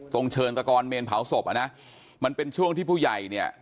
เชิงตะกอนเมนเผาศพอ่ะนะมันเป็นช่วงที่ผู้ใหญ่เนี่ย